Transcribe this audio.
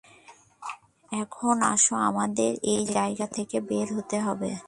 এখন আসো, আমাদের এ জায়গা থেকে বের হতে হবে।